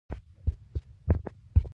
په پښتو کې يو متل دی چې وايي.